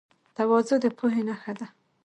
تواضع د پوهې نښه ده.